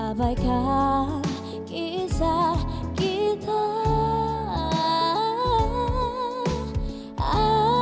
abaikan kisah kita